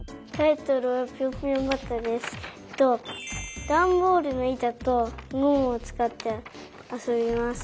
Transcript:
えっとだんボールのいたとゴムをつかってあそびます。